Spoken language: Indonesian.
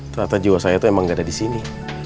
ternyata jiwa saya tuh emang ga ada di sini